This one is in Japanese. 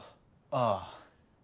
ああ。